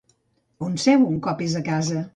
On seu un cop és a casa?